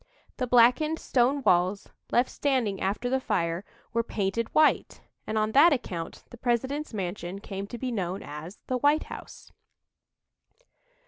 The blackened stone walls, left standing after the fire, were painted white, and on that account the President's mansion came to be known as "the White House."